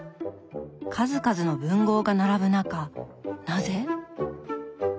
数々の文豪が並ぶ中なぜ？